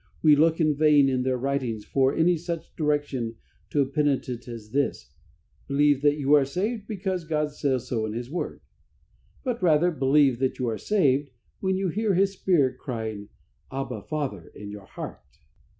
We look in vain in their writings for any such direction to a penitent as this, "Believe that you are saved, because, God says so in His Word," but rather believe that you are saved when you hear His Spirit crying, Abba, Father, in your heart.